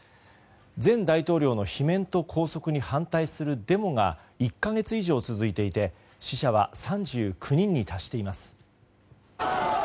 前大統領の罷免と拘束に反対するデモが１か月以上続いていて死者は３９人に達しています。